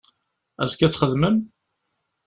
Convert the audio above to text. Azekka ad txedmem?